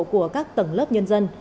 của các tầng lớp nhân dân